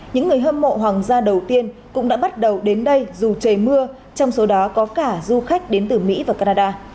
những người hâm mộ hoàng gia đầu tiên cũng đã bắt đầu đến đây dù trời mưa trong số đó có cả du khách đến từ mỹ và canada